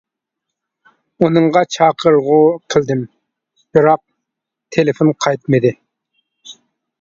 ئۇنىڭغا چاقىرغۇ قىلدىم، بىراق تېلېفون قايتمىدى.